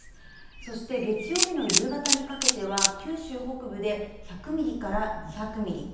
そして月曜日の夕方にかけては、九州北部で１００ミリから２００ミリ。